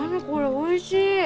おいしい！